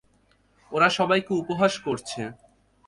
ওরা সবাইকে উপহাস করছে।